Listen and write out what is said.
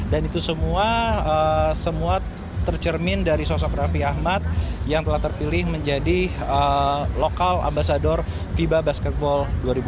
dan itu semua tercermin dari sosok raffi ahmad yang telah terpilih menjadi lokal ambasador fiba basketball dua ribu dua puluh tiga